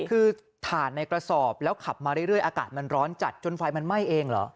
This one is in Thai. คือถ่านในกระสอบแล้วขับมาเรื่อยอากาศมันร้อนจัดจนไฟมันไหม้เองเหรอ